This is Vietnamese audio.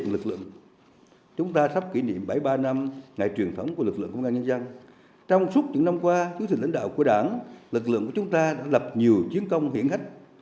lực lượng của chúng ta đã lập nhiều chiến công hiển khách